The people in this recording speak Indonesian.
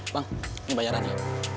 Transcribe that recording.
bang ini bayaran ya